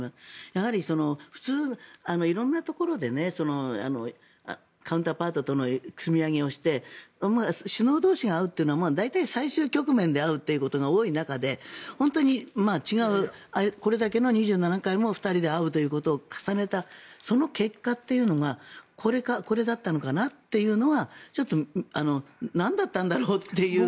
やはり普通、色んなところでカウンターパートとの積み上げをして首脳同士が会うというのは大体、最終局面で会うということが多い中で本当に違う、これだけも２７回も２人で会うということを重ねたその結果というのがこれだったのかなというのはちょっとなんだったんだろうっていう。